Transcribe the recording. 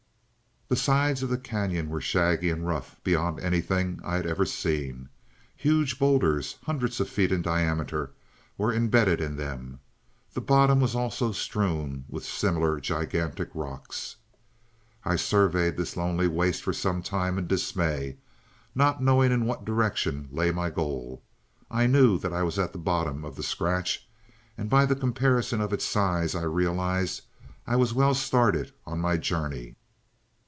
"The sides of the cañon were shaggy and rough, beyond anything I had ever seen. Huge bowlders, hundreds of feet in diameter, were embedded in them. The bottom also was strewn with similar gigantic rocks. "I surveyed this lonely waste for some time in dismay, not knowing in what direction lay my goal. I knew that I was at the bottom of the scratch, and by the comparison of its size I realized I was well started on my journey.